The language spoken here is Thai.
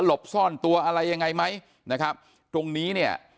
ตัวบุคคลตัวอะไรยังไงไหมตรงนี้เนี่ย